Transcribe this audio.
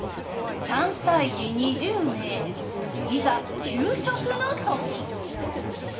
３歳児２０名、いざ給食のとき。